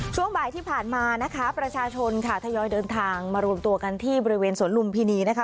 ช่วงบ่ายที่ผ่านมานะคะประชาชนค่ะทยอยเดินทางมารวมตัวกันที่บริเวณสวนลุมพินีนะคะ